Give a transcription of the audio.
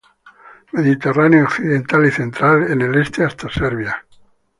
Mediterráneo occidental y central, en el este hasta Serbia.